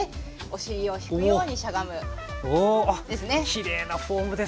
きれいなフォームですね。